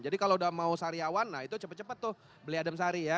jadi kalau udah mau sariawan nah itu cepet cepet tuh beli adem sari ya